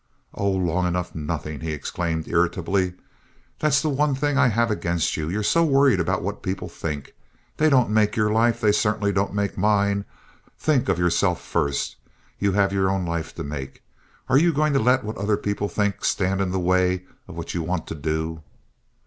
"Oh, long enough nothing!" he exclaimed, irritably. "That's the one thing I have against you—you are so worried about what people think. They don't make your life. They certainly don't make mine. Think of yourself first. You have your own life to make. Are you going to let what other people think stand in the way of what you want to do?"